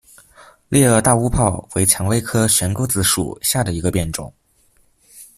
裂萼大乌泡为蔷薇科悬钩子属下的一个变种。